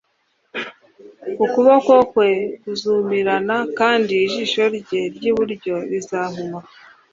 Ukuboko kwe kuzumirana kandi ijisho rye ry iburyo rizahuma